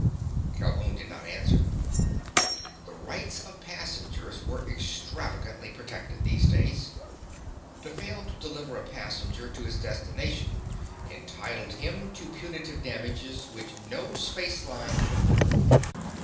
Calhoun did not answer. The rights of passengers were extravagantly protected, these days. To fail to deliver a passenger to his destination entitled him to punitive damages which no spaceline could afford.